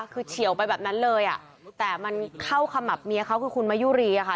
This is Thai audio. คือเฉียวไปแบบนั้นเลยอ่ะแต่มันเข้าขมับเมียเขาคือคุณมายุรีอะค่ะ